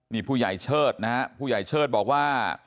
นี่ผู้ใหญ่เชิดนะฮะผู้ใหญ่เชิดบอกว่า